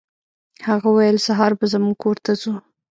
هغه ویل سهار به زموږ کور ته ځو.